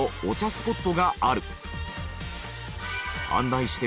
スポットがある。